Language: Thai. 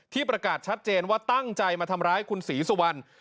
ประกาศชัดเจนว่าตั้งใจมาทำร้ายคุณศรีสุวรรณ